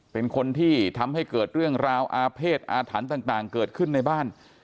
เป็นคนที่ทำให้เกิดเรื่องราวอาเภษอาถรรพ์ต่างเกิดขึ้นในบ้าน